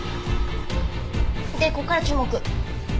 でここから注目。